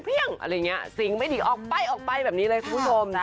อะไรอย่างนี้สิ่งไม่ดีออกไปออกไปแบบนี้เลยคุณผู้ชมนะ